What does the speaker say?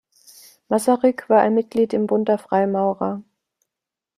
Masaryk war ein Mitglied im Bund der Freimaurer.